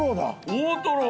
大トロ。